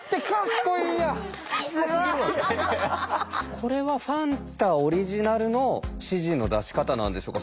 これはファンタオリジナルの指示の出し方なんでしょうか？